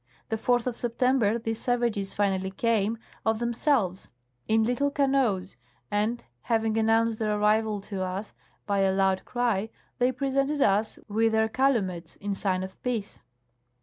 The 4th of September these savages finally came, of them selves, in little canoes, and, having announced their arrival to us by a loud cry, they presented us with their calumets, in sign of peace.